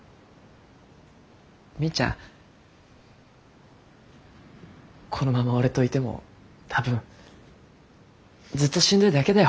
みーちゃんこのまま俺といても多分ずっとしんどいだけだよ。